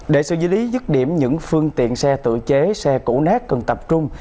để sự dư lý dứt điểm những phương tiện xe tự chế xe cũ nét cần tập trung